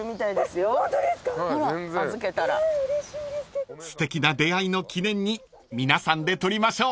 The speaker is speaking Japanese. ［すてきな出会いの記念に皆さんで撮りましょう］